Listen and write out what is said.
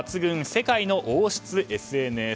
世界の王室ＳＮＳ。